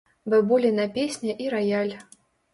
Бабуліна песня і раяль.